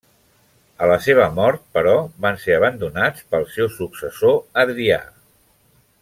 A la seva mort, però, van ser abandonats pel seu successor, Adrià.